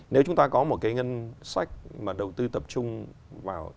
nếu chúng ta có một cái ngân sách mà đầu tư tập trung vào